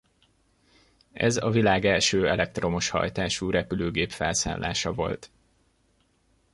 Ez a világ első elektromos hajtású repülőgép felszállása volt.